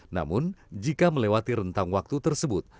namun jika melewati rentang waktu tersebut